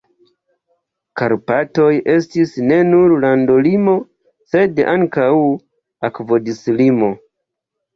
Karpatoj estis ne nur landolimo, sed ankaŭ akvodislimo.